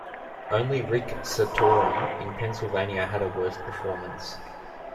Only Rick Santorum in Pennsylvania had a worse performance.